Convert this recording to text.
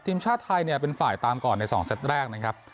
ทีมชาติไทยเนี่ยเป็นฝ่ายตามก่อนใน๒เซตแรกนะครับ